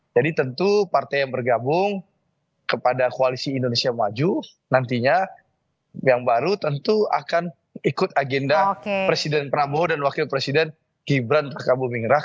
jadi tentu partai yang bergabung kepada koalisi indonesia maju nantinya yang baru tentu akan ikut agenda presiden prabowo dan wakil presiden gibran pak prabowo mingraka